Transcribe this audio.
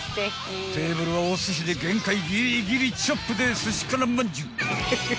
［テーブルはおすしで限界ギリギリチョップですしくらまんじゅう］